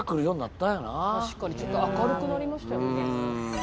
確かにちょっと明るくなりましたよね。